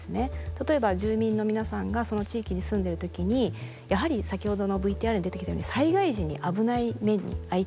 例えば住民の皆さんがその地域に住んでる時にやはり先ほどのＶＴＲに出てきたように災害時に危ない目に遭いたくはない。